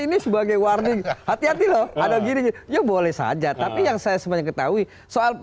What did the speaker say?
ini sebagai warning hati hati loh ada gini ya boleh saja tapi yang saya sebenarnya ketahui soal